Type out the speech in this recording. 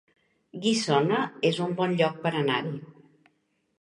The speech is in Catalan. Guissona es un bon lloc per anar-hi